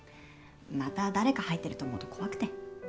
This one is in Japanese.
また誰か入ってると思うと怖くて。